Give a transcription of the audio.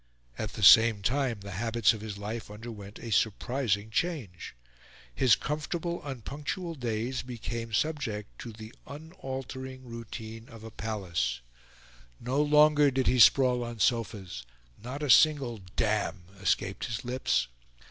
At the same time the habits of his life underwent a surprising change. His comfortable, unpunctual days became subject to the unaltering routine of a palace; no longer did he sprawl on sofas; not a single "damn" escaped his lips.